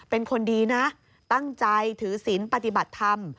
เป็นคนดีนะตั้งใจถือศิลป์ปฏิบัติธรรม